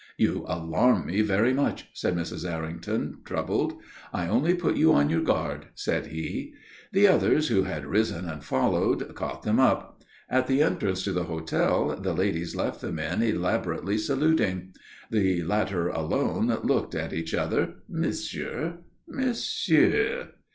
"You alarm me very much," said Mrs. Errington, troubled. "I only put you on your guard," said he. The others who had risen and followed, caught them up. At the entrance to the hotel the ladies left the men elaborately saluting. The latter, alone, looked at each other. "Monsieur." "Monsieur."